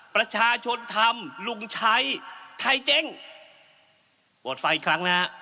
ประชาชนธรรมลุงชัยไทเจ้งโปรดไฟอีกครั้งนะ